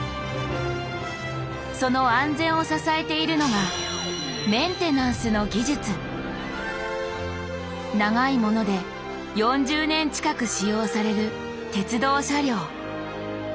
その安全を支えているのが長いもので４０年近く使用される鉄道車両。